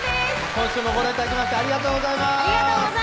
今週もご覧頂きましてありがとうございます